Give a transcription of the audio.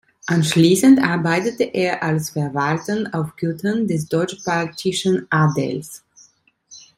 Anschließend arbeitete er als Verwaltern auf Gütern des deutschbaltischen Adels.